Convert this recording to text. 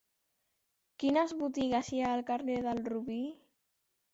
Quines botigues hi ha al carrer del Robí?